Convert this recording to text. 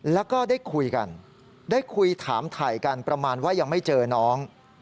แล้วก็ได้คุยกันได้คุยถามถ่ายกันประมาณว่ายังไม่เจอน้อง